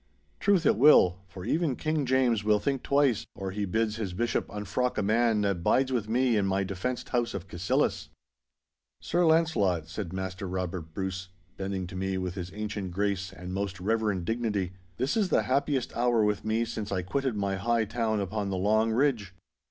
Truth it will, for even King James will think twice, or he bids his bishop unfrock a man that bides with me in my defenced house of Cassillis.' 'Sir Launcelot,' said Maister Robert Bruce, bending to me with his ancient grace and most reverend dignity, 'this is the happiest hour with me since I quitted my high town upon the Long Ridge.